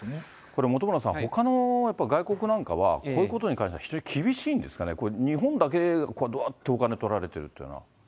これ、本村さん、ほかのやっぱり外国なんかは、こういうことに関しては非常に厳しいんですかね、これ、日本だけ、どわーってお金取られてるっていうのは。